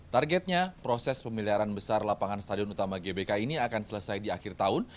targetnya proses pemeliharaan besar lapangan stadion utama gbk ini akan selesai di akhir tahun